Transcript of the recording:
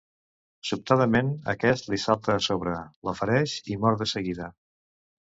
Sobtadament, aquest li salta a sobre, la fereix i mor de seguida.